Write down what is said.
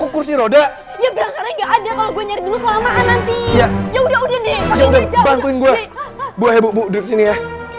kursi roda ya udah udah udah gue buah bubuk sini ya